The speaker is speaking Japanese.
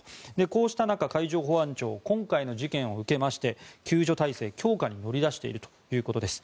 こうした中、海上保安庁今回の事故を受けまして救助体制強化に乗り出しているということです。